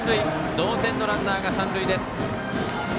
同点のランナーが三塁です。